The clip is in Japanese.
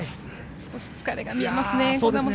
少し疲れが見えますね